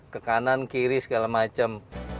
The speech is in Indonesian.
ke kanan kiri segala macam